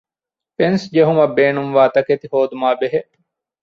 ފެންސް ޖެހުމަށް ބޭނުންވާ ތަކެތި ހޯދުމާބެހޭ